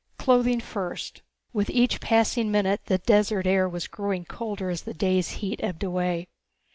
Clothing first. With each passing minute the desert air was growing colder as the day's heat ebbed away.